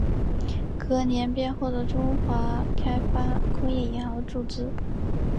隔年便获得中华开发工业银行的注资。